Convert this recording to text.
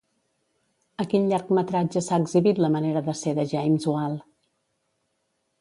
A quin llargmetratge s'ha exhibit la manera de ser de James Whale?